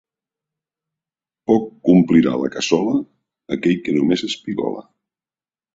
Poc omplirà la cassola aquell que només espigola.